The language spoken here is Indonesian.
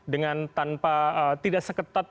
dengan tanpa tidak seketat